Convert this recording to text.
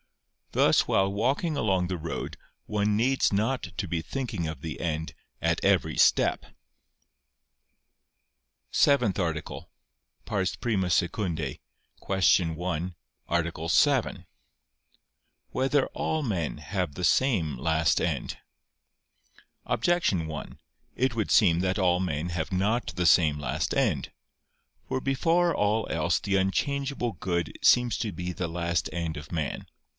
Thus while walking along the road one needs not to be thinking of the end at every step. ________________________ SEVENTH ARTICLE [I II, Q. 1, Art. 7] Whether All Men Have the Same Last End? Objection 1: It would seem that all men have not the same last end. For before all else the unchangeable good seems to be the last end of man.